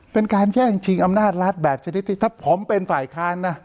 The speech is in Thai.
เป็นการแย่งก่างคืออำนาจรัฐแบบจริงถ้าผมเป็นฝ่ายค้านนะ